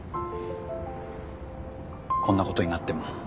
こんなことになっても？